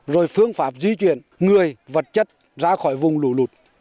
rồi phương pháp di chuyển người vật chất ra khỏi vùng lũ lụt